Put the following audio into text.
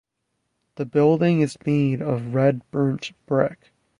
The building is made of red burnt brick.